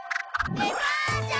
デパーチャー！